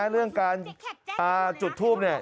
เรื่องการจุดทูปเนี่ย